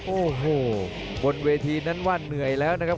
โอ้โหบนเวทีนั้นว่าเหนื่อยแล้วนะครับ